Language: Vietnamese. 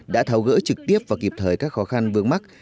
đã tháo gỡ trực tiếp và kịp thời các khó khăn vướng mắt